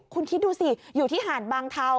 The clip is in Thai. คุณคิดดูสิอยู่ที่หาดบางเทา